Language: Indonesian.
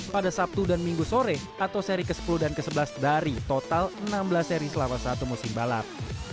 pada sabtu dan minggu sore atau seri ke sepuluh dan ke sebelas dari total enam belas seri selama satu musim balap